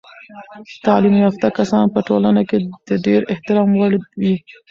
تعلیم یافته کسان په ټولنه کې د ډیر احترام وړ وي.